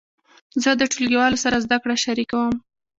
زه د ټولګیوالو سره زده کړه شریکوم.